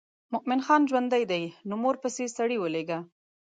مومن خان ژوندی دی نو مور پسې سړی ولېږه.